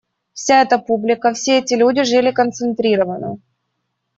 Вся эта публика, все эти люди жили концентрированно.